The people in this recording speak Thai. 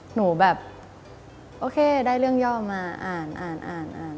หนูแบบโอเคได้เรื่องย่อมาอ่าน